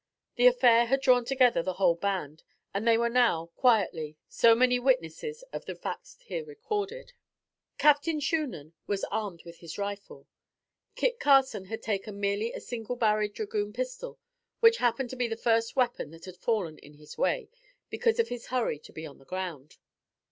The affair had drawn together the whole band, and they were now, quietly, so many witnesses of the facts here recorded. Captain Shunan was armed with his rifle. Kit Carson had taken merely a single barrel dragoon pistol which happened to be the first weapon that had fallen in his way, because of his hurry to be on the ground.